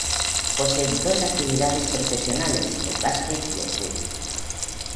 Posee dos actividades profesionales, el básquet y el fútbol.